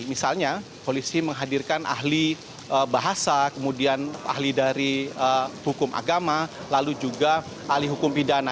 misalnya polisi menghadirkan ahli bahasa kemudian ahli dari hukum agama lalu juga ahli hukum pidana